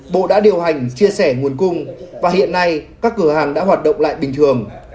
bộ đã điều hành chia sẻ nguồn cung và hiện nay các cửa hàng đã hoạt động lại bình thường